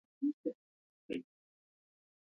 افغانستان د جلګه له مخې پېژندل کېږي.